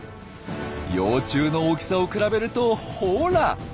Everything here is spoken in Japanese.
幼虫の大きさを比べるとほら！